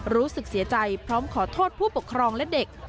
รู้สึกเสียใจพร้อมขอโทษผู้ปกครองและเด็ก